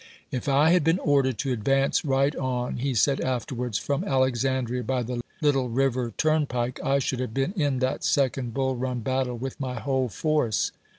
" If I had been ordered TfSony, ^^ advance right on," he said afterwards, "from of^Xe Alexandria by the Little River turnpike, I should "o'STiie^^ have been in that Second Bull Run battle with my oftiiewar. whole force."